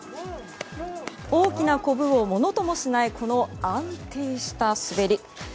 大きなコブをものともしないこの安定した滑り。